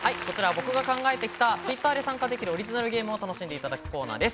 僕が考えてきたＴｗｉｔｔｅｒで参加できるオリジナルゲームを楽しんでいただくコーナーです。